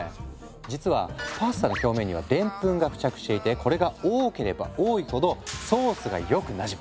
実はパスタの表面にはでんぷんが付着していてこれが多ければ多いほどソースがよくなじむ。